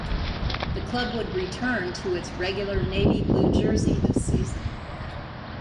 The club would return to its regular navy blue jersey this season.